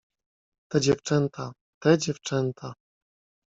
"Te dziewczęta, te dziewczęta!"